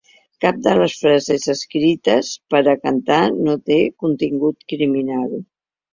Cap de les frases escrites per a cantar no té contingut criminal.